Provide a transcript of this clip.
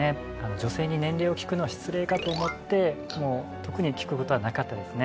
女性に年齢を聞くのは失礼かと思って特に聞く事はなかったですね。